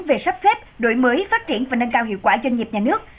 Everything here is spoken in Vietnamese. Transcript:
về sắp xếp đổi mới phát triển và nâng cao hiệu quả doanh nghiệp nhà nước